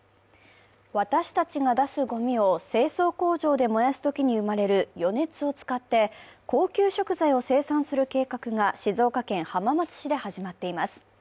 私たちが出すごみを清掃工場で燃やすときに生まれる余熱を使って高級食材を生産する計画が静岡県浜松市で始まっています。